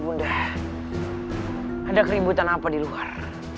bunda ada keributan apa di luar